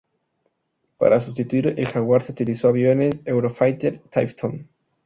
Para sustituir al Jaguar se utilizó aviones Eurofighter Typhoon.